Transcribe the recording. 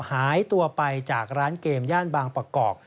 หายตัวไปจากร้านเกมย่านบางประกอบ